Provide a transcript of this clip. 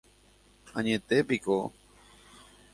Añetépiko